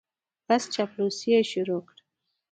بس چاپلوسي یې شروع کړه.